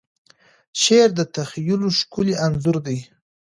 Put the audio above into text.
شعر د تخیل ښکلی انځور دی.